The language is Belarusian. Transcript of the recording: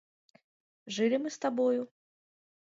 Жылі мы з табою?